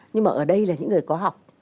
nhưng mà ở đây là những người có học